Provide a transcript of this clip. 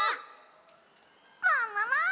ももも！